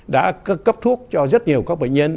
đã cấp thuốc cho rất nhiều các bệnh nhân